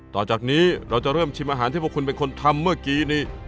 ต่อจากนี้เราจะเริ่มชิมอาหารที่พวกคุณเป็นคนทำเมื่อกี้นี้